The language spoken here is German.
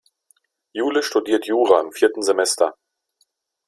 Jule studiert Jura im vierten Semester.